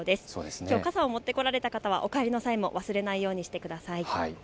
きょう傘を持ってこられた方はお帰りの際も忘れないようにしてください。